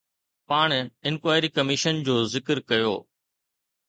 پاڻ inquiry commission جو ذڪر ڪيو.